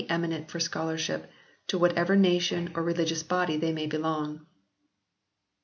eminent for scholarship, to whatever nation or re ligious body they may belong.